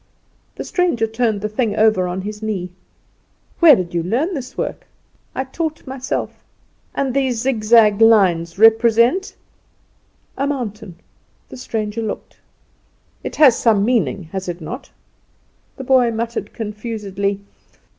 The stranger turned the thing over on his knee. "Where did you learn this work?" "I taught myself." "And these zigzag lines represent " "A mountain." The stranger looked. "It has some meaning, has it not?" The boy muttered confusedly.